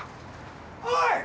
おい！